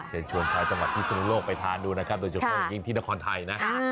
เชิญชวนชายจังหวัดพิษศุนโลกไปทานดูนะครับโดยจะโทรมากินที่นครไทยนะ